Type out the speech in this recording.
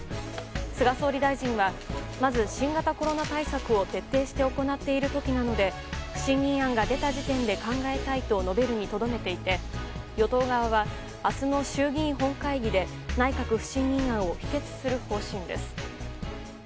菅総理大臣はまず新型コロナ対策を徹底して行っている時なので不信任案が出た時点で考えたいと述べるにとどめていて与党側は、明日の衆議院本会議で内閣不信任案を否決する方針です。